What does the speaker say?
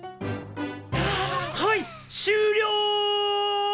はい終了！